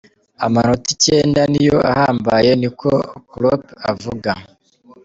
Amanota icenda niyo ahambaye, " niko Klopp avuga.